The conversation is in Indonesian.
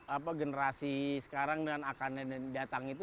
apa generasi sekarang dan akan datang itu